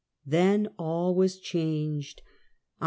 Then all was clianged.